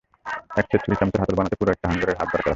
এক সেট ছুড়ি-চামচের হাতল বানাতে পুরো একটা হাঙ্গরের হাড় দরকার হয়।